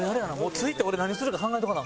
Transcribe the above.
次行って何するか考えとかな。